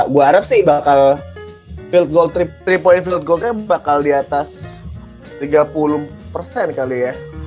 gue harap sih bakal field gold tiga point field gold nya bakal di atas tiga puluh persen kali ya